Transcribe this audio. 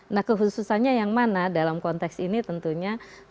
nah kekhususannya yang mana dalam konteks ini tentunya